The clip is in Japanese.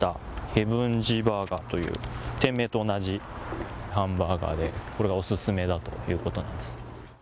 ヘブンジーバーガーという、店名と同じハンバーガーでこれがお勧めだということです。